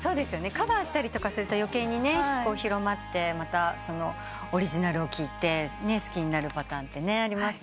カバーしたりすると余計にね広まってまたオリジナルを聴いて好きになるパターンありますよね。